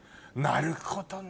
なるほどね！